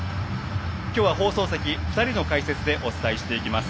今日は放送席２人の解説でお伝えしていきます。